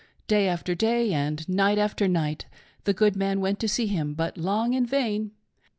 Day after day and night after night the good man went to see him, but long in vain.